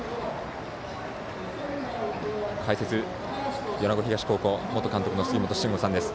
解説、米子東高校元監督の杉本真吾さんです。